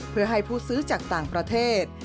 เพื่อให้ผู้ซื้อจากต่างประเทศ